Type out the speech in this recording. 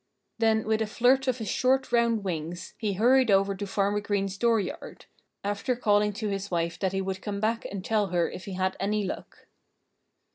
Then with a flirt of his short, round wings he hurried over to Farmer Green's dooryard after calling to his wife that he would come back and tell her if he had any luck.